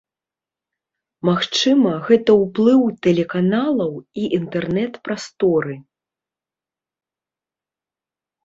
Магчыма, гэта ўплыў тэлеканалаў і інтэрнэт-прасторы.